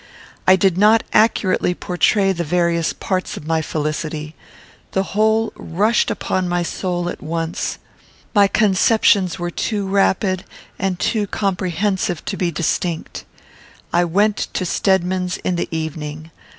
I did not accurately portray the various parts of my felicity. The whole rushed upon my soul at once. My conceptions were too rapid and too comprehensive to be distinct. I went to Stedman's in the evening.